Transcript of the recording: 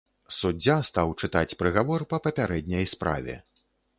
Суддзя стаў чытаць прыгавор па папярэдняй справе.